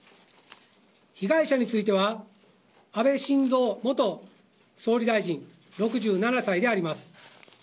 被害者については安倍晋三元総理大臣、６７歳であります。